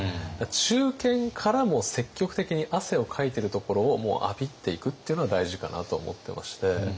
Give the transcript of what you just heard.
中堅からも積極的に汗をかいてるところをもうアピっていくっていうのが大事かなと思ってまして。